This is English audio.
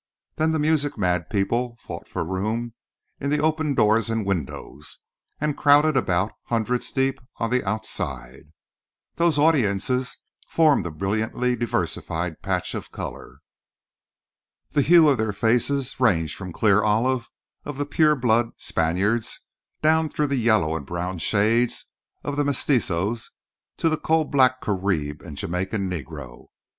Then the music mad people fought for room in the open doors and windows, and crowded about, hundreds deep, on the outside. Those audiences formed a brilliantly diversified patch of colour. The hue of their faces ranged from the clear olive of the pure blood Spaniards down through the yellow and brown shades of the Mestizos to the coal black Carib and the Jamaica Negro.